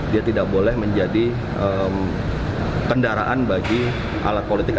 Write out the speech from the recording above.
dia tidak boleh menjadi kendaraan bagi alat politik